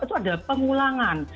itu ada pengulangan